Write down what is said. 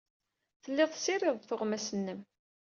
Telliḍ tessirideḍ tuɣmas-nnem.